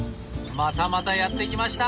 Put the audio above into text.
またまたやって来ました！